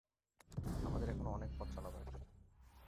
আমাদের এখনো অনেক পথ চলা বাকি।